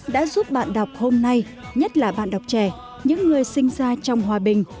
đã giúp bạn đọc hôm nay nhất là bạn đọc trẻ những người sinh ra trong hòa bình